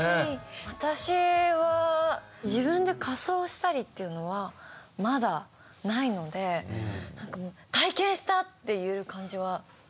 私は自分で仮装したりというのはまだないので体験したっていう感じはないですね。